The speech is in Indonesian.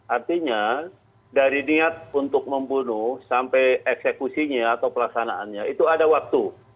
artinya dari niat untuk membunuh sampai eksekusinya atau pelaksanaannya itu ada waktu